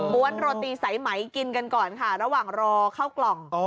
้วนโรตีสายไหมกินกันก่อนค่ะระหว่างรอเข้ากล่อง